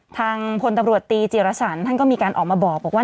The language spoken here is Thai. ทางพลตำรวจตีจิรสันท่านก็มีการออกมาบอกว่า